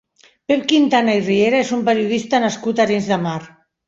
Pep Quintana i Riera és un periodista nascut a Arenys de Mar.